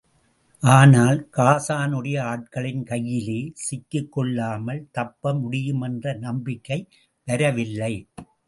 ஆனால், ஹாஸானுடைய ஆட்களின் கையிலே சிக்கிக்கொள்ளாமல் தப்பமுடியும் என்ற நம்பிக்கை வரவில்லை.